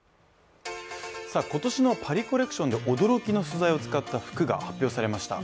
今年のパリ・コレクションで驚きの素材を使った服が発表されました。